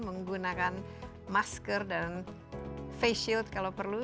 menggunakan masker dan face shield kalau perlu